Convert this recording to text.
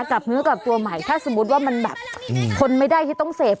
กลับเนื้อกลับตัวใหม่ถ้าสมมุติว่ามันแบบทนไม่ได้ที่ต้องเสพ